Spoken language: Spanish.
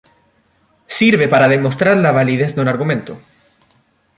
Sirve para demostrar la validez de un argumento.